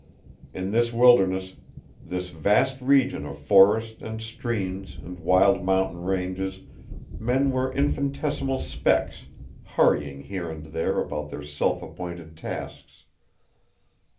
In this wilderness, this vast region of forest and streams and wild mountain ranges, men were infinitesimal specks hurrying here and there about their self appointed tasks.